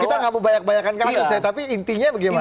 kita nggak mau banyak banyakan kasus ya tapi intinya bagaimana